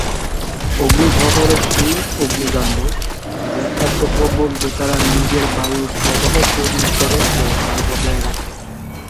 অগ্নিঝড় হলো সেই অগ্নিকাণ্ড যা এত প্রবল যে তারা নিজের বায়ু প্রবাহ তৈরি করে ও তা বজায় রাখে।